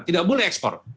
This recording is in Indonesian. tidak boleh ekspor